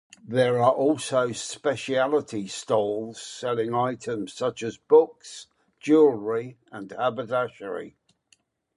There are also speciality stalls selling items such as books, jewellery and haberdashery.